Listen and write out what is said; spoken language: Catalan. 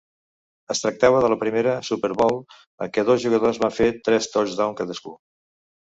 Es tractava de la primera Super Bowl en què dos jugadors van fer tres touchdown cadascú.